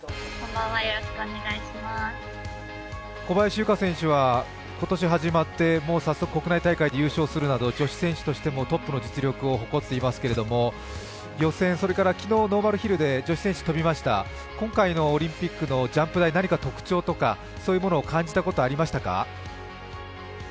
小林諭果選手は今年始まって早速国内大会で優勝するなど女子選手としてもトップの実力を誇っていますけれども、予選、それから昨日ノーマルヒルで女子選手、飛びました、今回のオリンピックのジャンプ台、何か特徴などを感じたことはありましたか？